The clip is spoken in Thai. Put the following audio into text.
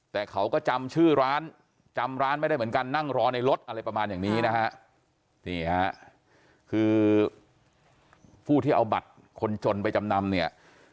แต่เขาก็จำชื่อร้านจำร้านไม่ได้เหมือนกันนั่งรอในรถอะไรประมาณอย่างนี้นะฮะนี่ฮะคือผู้ที่เอาบัตรคนจนไปจำนำเนี่ย